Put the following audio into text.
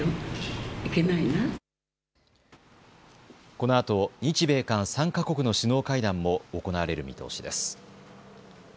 このあと日米韓３か国の首脳会談も行われる見通しです。